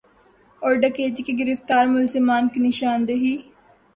اور ڈکیتی کے گرفتار ملزمان کی نشاندہی